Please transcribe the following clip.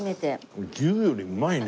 これ牛よりうまいね。